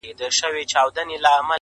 جار دي سم روپۍ، چي هم سپر ئې، هم گدۍ.